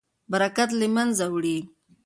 برکت له منځه وړي.